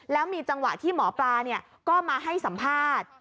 แล้วมีจังหวะที่หมอปลาก็มาให้สัมภาษณ์